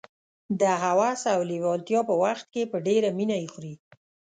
د هوس او لېوالتیا په وخت کې په ډېره مینه یې خوري.